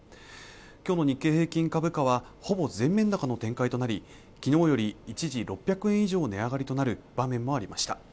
今日も日経平均株価はほぼ全面高の展開となりきのうより一時６００円以上値上がりとなる場面もありました